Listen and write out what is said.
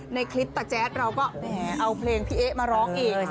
ในคลิปตาแจ๊ดเราก็แหมเอาเพลงพี่เอ๊ะมาร้องอีก